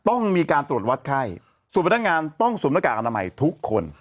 ต้องมีการตรวจวัดไข้ส่วนพันธการต้องสมรรถกาลอาณาใหม่ทุกคน